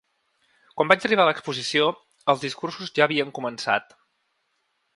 Quan vaig arribar a l’exposició, els discursos ja havien començat.